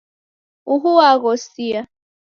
Uhu waghosia.